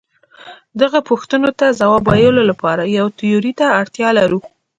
دغو پوښتنو ته ځواب ویلو لپاره یوې تیورۍ ته اړتیا لرو.